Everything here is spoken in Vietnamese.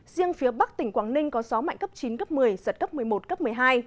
riêng phía bắc tỉnh quảng ninh có gió mạnh cấp chín cấp một mươi giật cấp một mươi một cấp một mươi hai